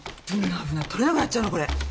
取れなくなっちゃうのこれ。